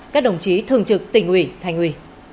các đồng chí thường trực tỉnh ủy thành ủy